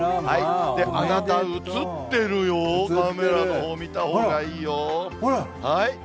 あなた、映ってるよ、カメラのほう、見たほうがいいよ。